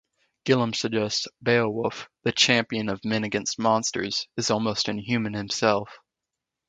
Gillam suggests: Beowulf, the champion of men against monsters, is almost inhuman himself.